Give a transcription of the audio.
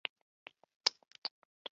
灰林鸽为鸠鸽科鸽属的鸟类。